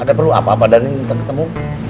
ada perlu apa apa dhani minta ketemu